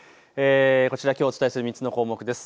こちらきょうお伝えする３つの項目です。